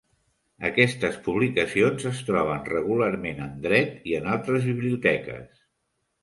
Aquestes publicacions es troben regularment en dret i en altres biblioteques.